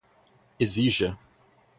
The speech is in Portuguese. exija